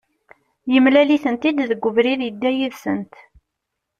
Yemlal-itent-id deg ubrid, yedda yid-sent